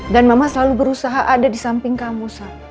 dan mama selalu berusaha ada di samping kamu